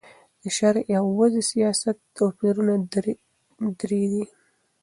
د شرعې او وضي سیاست توپیرونه درې دي.